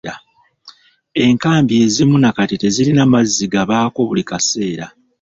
Enkambi ezimu na kati tezirina mazzi gabaako buli kaseera.